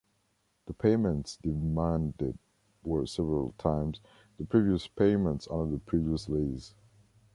The payments demanded were several times the previous payments under the previous lease.